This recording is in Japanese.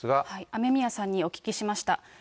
雨宮さんにお聞きしました。